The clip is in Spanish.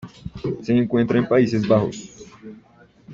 Se encuentra en Países Bajos.